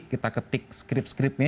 kita ketik skrip skripnya